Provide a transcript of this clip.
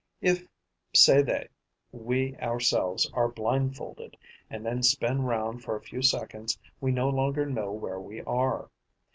If, say they, we ourselves are blind folded and then spin round for a few seconds, we no longer know where we are.